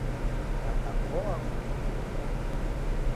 Kaka koa kufinikire momu.